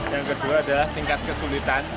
yang kedua adalah tingkat kesulitan